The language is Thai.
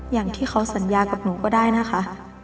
อย่างที่เขาสัญญากับหนูก็ได้นะคะ